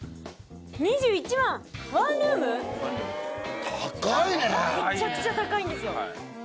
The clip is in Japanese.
・ワンルーム・めちゃくちゃ高いんですよ。